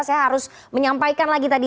saya harus menyampaikan lagi tadi